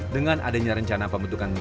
dengan adanya rencana pembentukan